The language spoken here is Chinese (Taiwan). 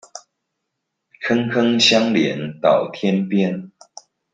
坑坑相連到天邊